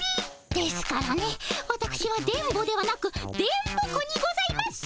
ですからねわたくしは電ボではなく電ボ子にございます。